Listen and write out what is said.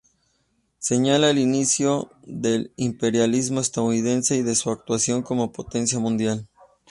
Señala el inicio del imperialismo estadounidense y de su actuación como potencia mundial.